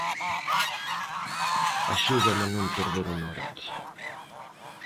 Axúdame a non perder o norte.